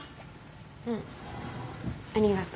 うんありがとう。